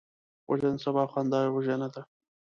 وژنه د سبا خندا وژنه ده